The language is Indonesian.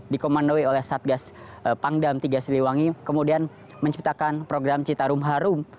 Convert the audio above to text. dikomandoi oleh satgas pangdam tiga siliwangi kemudian menciptakan program citarum harum